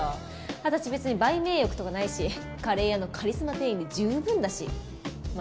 私別に売名欲とかないしカレー屋のカリスマ店員で十分だしま